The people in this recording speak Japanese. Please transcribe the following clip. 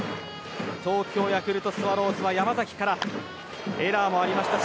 東京ヤクルトスワローズは山崎からエラーもありました。